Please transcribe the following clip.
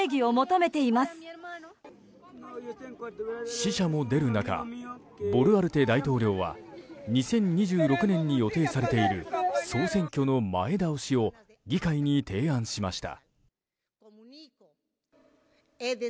死者も出る中ボルアルテ大統領は２０２６年に予定されている総選挙の前倒しを議会に提案しました。